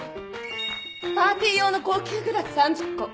パーティー用の高級グラス３０個。